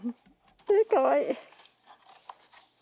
かわいい。